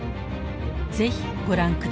是非ご覧ください。